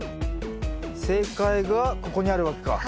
正解がここにあるわけか。